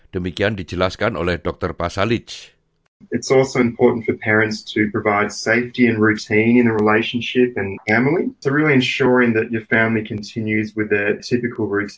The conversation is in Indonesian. demikian dijelaskan oleh dr pasalic